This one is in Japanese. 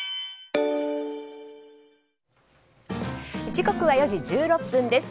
時刻は４時１６分です。